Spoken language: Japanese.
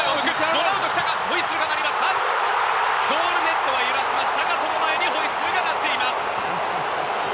ロナウド、ゴールネットは揺らしましたがその前にホイッスルが鳴っています。